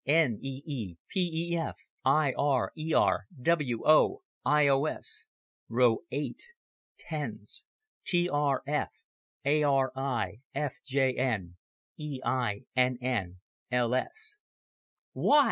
N E E P E F I R E R W O I O S Ten. T R F A R I F J N E I N N L S "Why!"